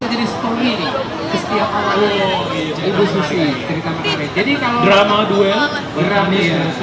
jadi kalau drama duel berani